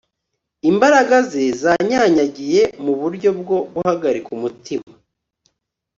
Imbaraga ze zanyanyagiye muburyo bwo guhagarika umutima